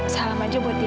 salam aja buat dia ya